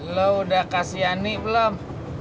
lo udah kasihani belum